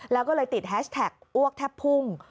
แล้วก็เลยติดแฮชแท็กอ้วกแทบพุ่ง